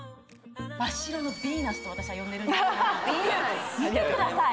真っ白のヴィーナスと私は呼んでるんですけども見てください